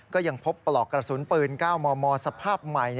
ก็ยังพบปลอกกระสุนปืน๙มมสภาพใหม่